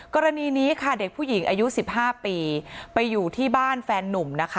กรณีนี้ค่ะเด็กผู้หญิงอายุ๑๕ปีไปอยู่ที่บ้านแฟนนุ่มนะคะ